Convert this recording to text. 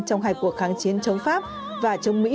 trong hai cuộc kháng chiến chống pháp và chống mỹ